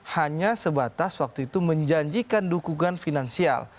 hanya sebatas waktu itu menjanjikan dukungan finansial